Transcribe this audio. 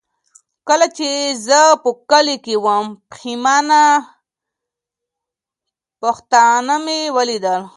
کله چي زه په کلي کي وم، پښتانه مي ولیدل.